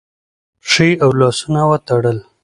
پښې او لاسونه وتړل